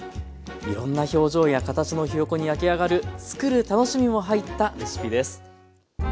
いろんな表情や形のひよこに焼き上がるつくる楽しみも入ったレシピです。